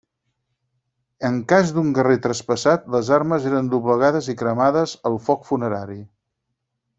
En cas d'un guerrer traspassat, les armes eren doblegades i cremades al foc funerari.